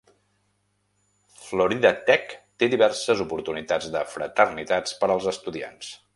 Florida Tech té diverses oportunitats de fraternitats per als estudiants.